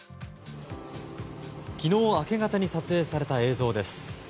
昨日明け方に撮影された映像です。